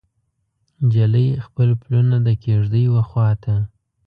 نجلۍ خپل پلونه د کیږدۍ وخواته